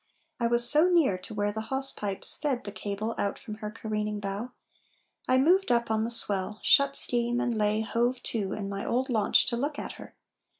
I was so near to where the hawse pipes fed The cable out from her careening bow, I moved up on the swell, shut steam and lay Hove to in my old launch to look at her.